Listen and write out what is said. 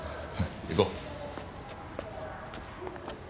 行こう。